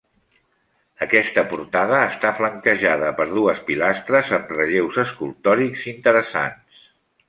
Aquesta portada està flanquejada per dues pilastres amb relleus escultòrics interessants.